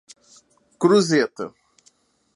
Cruzeta